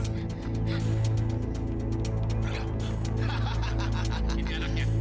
ini anak siap